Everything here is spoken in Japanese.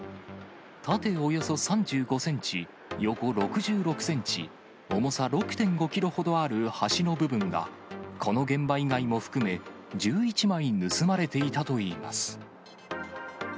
縦およそ３５センチ、横６６センチ、重さ６．５キロほどある端の部分が、この現場以外も含め、１１枚盗まれていたといいます。